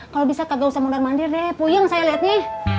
kalau bisa kagak usah mundur mandir deh puyeng saya liatnya